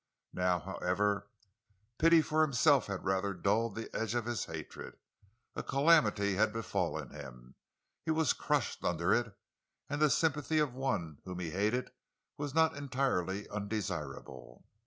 Now, however, pity for himself had rather dulled the edge of his hatred. A calamity had befallen him; he was crushed under it; and the sympathy of one whom he hated was not entirely undesirable.